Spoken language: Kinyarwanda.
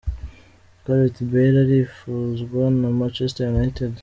Gareth Bale arifuzwa na Manchester United.